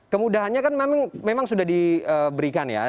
kemudahannya kan memang sudah diberikan ya